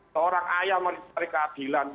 seorang ayah mencari keadilan